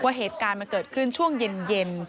เหตุการณ์มันเกิดขึ้นช่วงเย็น